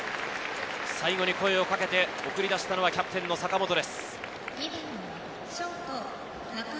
最後に声をかけて送り出したのはキャプテン・坂本です。